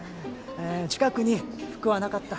近くに服はなかった？